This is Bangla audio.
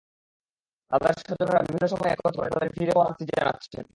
তাঁদের স্বজনেরা বিভিন্ন সময় একত্র হয়ে তাঁদের ফিরে পাওয়ার আর্তি জানাচ্ছেন।